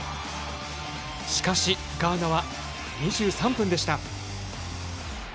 しかし、ガーナは２３分でした。